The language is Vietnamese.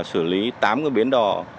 xử lý tám cái bến đò